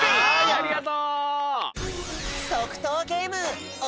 ありがとう！